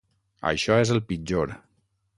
Això és el pitjor.